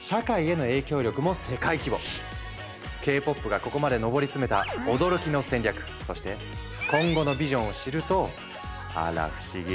Ｋ−ＰＯＰがここまで上り詰めた驚きの戦略そして今後のビジョンを知るとあら不思議